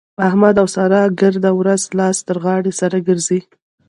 احمد او سارا ګرده ورځ لاس تر غاړه سره ګرځي.